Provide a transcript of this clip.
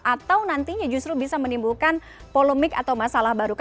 atau nantinya justru bisa menimbulkan polemik atau masalah baru